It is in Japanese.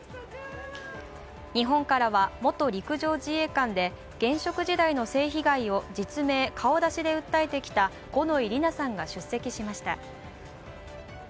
日本からは元陸上自衛官で現職時代の性被害を実名顔出しで訴えてきた五ノ井里奈さんが出席しました。